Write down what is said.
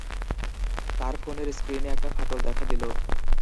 তার ফোনের স্ক্রিনে একটা ফাটল দেখা দিলো।